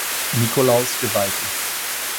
Nikolaus geweiht ist.